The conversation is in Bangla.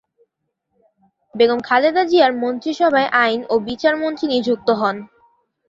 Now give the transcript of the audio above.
বেগম খালেদা জিয়ার মন্ত্রিসভায় আইন ও বিচার মন্ত্রী নিযুক্ত হন।